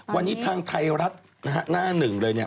วันนี้ทางไทยรัฐหน้าหนึ่งเลย